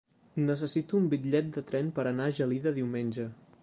Necessito un bitllet de tren per anar a Gelida diumenge.